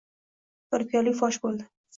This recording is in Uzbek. Firibgarlik fosh bo‘ldi